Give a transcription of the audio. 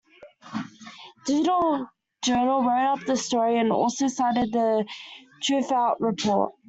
Digital Journal wrote up the story and also cited the "Truthout" report.